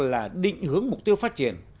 là định hướng mục tiêu phát triển